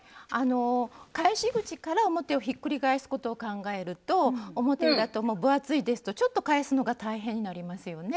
返し口から表をひっくり返すことを考えると表裏とも分厚いですとちょっと返すのが大変になりますよね。